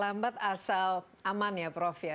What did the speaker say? lambat asal aman ya prof ya